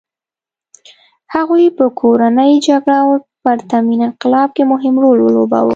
هغوی په کورنۍ جګړه او پرتمین انقلاب کې مهم رول ولوباوه.